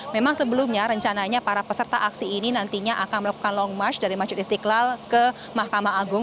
memang sebelumnya rencananya para peserta aksi ini nantinya akan melakukan long march dari masjid istiqlal ke mahkamah agung